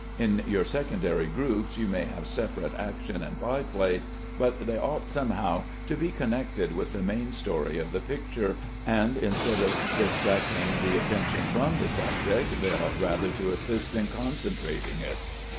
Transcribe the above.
In your secondary groups you may have separate action and by play, but they ought somehow to be connected with the main story of the picture, and instead of distracting the attention from the subject, they ought rather to assist in concentrating it.